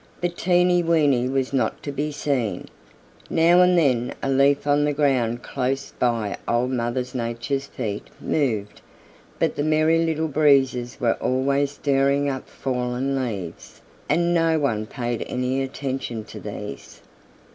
But Teeny Weeny was not to be seen. Now and then a leaf on the ground close by Old Mother Nature's feet moved, but the Merry Little Breezes were always stirring up fallen leaves, and no one paid any attention to these.